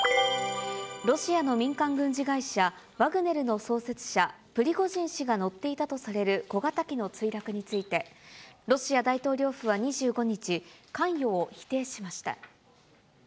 ロシアの民間軍事会社、ワグネルの創設者、プリゴジン氏が乗っていたとされる小型機の墜落について、ロシア大統領府は２５日、関与を否定しました。